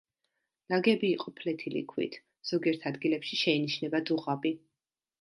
ნაგები იყო ფლეთილი ქვით, ზოგიერთ ადგილებში შეინიშნება დუღაბი.